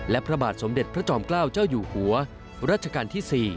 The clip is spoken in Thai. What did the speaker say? และพระบาทสมเด็จพระจอมก้าวเจ้าอยู่หัวรท๔